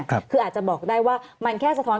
คืออาจจะบอกได้ว่ามันแค่สะท้อน